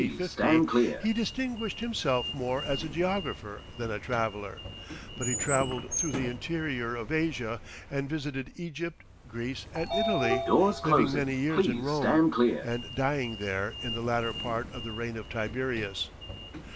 50, he distinguished himself more as a geographer than a traveller, but he travelled through the interior of Asia, and visited Egypt, Greece, and Italy, living many years in Rome, and dying there in the latter part of the reign of Tiberius.